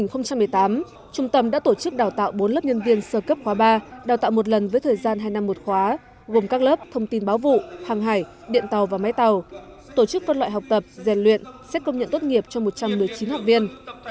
năm hai nghìn một mươi tám trung tâm đã tổ chức đào tạo bốn lớp nhân viên sơ cấp khóa ba đào tạo một lần với thời gian hai năm một khóa gồm các lớp thông tin báo vụ hàng hải điện tàu và máy tàu tổ chức phân loại học tập rèn luyện xét công nhận tốt nghiệp cho một trăm một mươi chín học viên